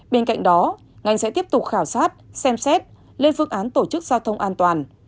bên cạnh đó ngành sẽ tiếp tục khảo sát xem xét lên phương án tổ chức giao thông an toàn